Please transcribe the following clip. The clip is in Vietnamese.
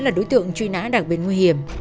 là đối tượng truy nã đặc biệt nguy hiểm